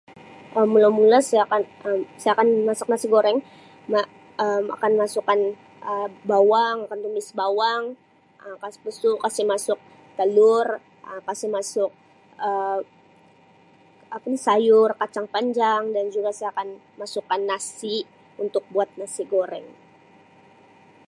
Mula-mula saya akan Um saya akan memasak nasi goreng nga Um akan masukkan Um bawang akan tumis bawang Um [unintelligible] tu kasi' masuk talur Um kasi masuk Um apa ni sayur kacang panjang dan juga saya akan masukkan nasi untuk buat nasi goreng.